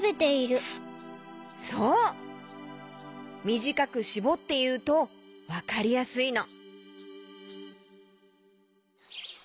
みじかくしぼっていうとわかりやすいの。